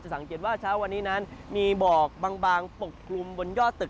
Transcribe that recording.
สังเกตว่าเช้าวันนี้นั้นมีหมอกบางปกกลุ่มบนยอดตึก